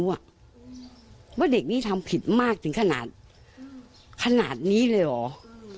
ว่าเด็กนี้ทำผิดมากถึงขนาดขนาดนี้เลยเหรอ